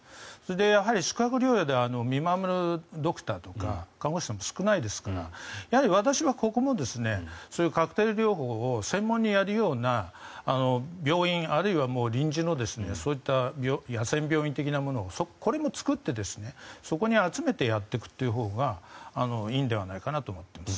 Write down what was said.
やはり宿泊療養では見回るドクターとか看護師さんも少ないですからやはり私はここもそういうカクテル療法を専門にやるような病院あるいは臨時のそういった野戦病院的なものこれも作って、そこに集めてやっていくというほうがいいんではないかなと思っています。